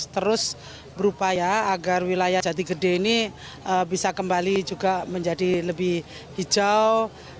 terus berupaya agar wilayah jati gede ini bisa kembali juga menjadi lebih hijau